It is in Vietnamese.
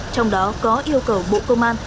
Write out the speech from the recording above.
trong đó có yêu cầu bộ công an